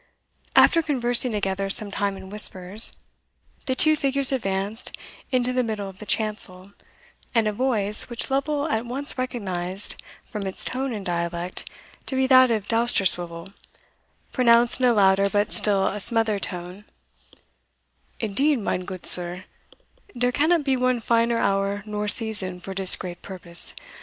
After conversing together some time in whispers, the two figures advanced into the middle of the chancel; and a voice, which Lovel at once recognised, from its tone and dialect, to be that of Dousterswivel, pronounced in a louder but still a smothered tone, "Indeed, mine goot sir, dere cannot be one finer hour nor season for dis great purpose.